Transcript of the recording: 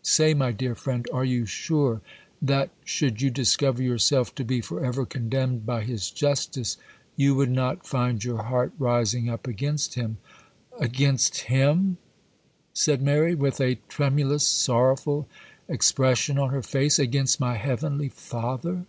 Say, my dear friend, are you sure, that, should you discover yourself to be for ever condemned by His justice, you would not find your heart rising up against Him?' 'Against Him?' said Mary, with a tremulous, sorrowful expression on her face,—'against my Heavenly Father?